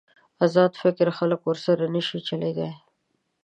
ازاد فکر خلک ورسره نشي چلېدای.